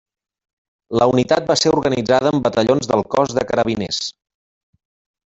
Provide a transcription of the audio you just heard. La unitat va ser organitzada amb batallons del Cos de Carabiners.